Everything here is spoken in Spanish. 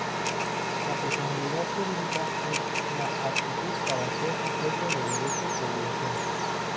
La personalidad jurídica es la aptitud para ser sujeto de derechos y obligaciones.